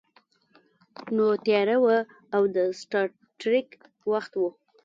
نو تیاره وه او د سټار ټریک وخت و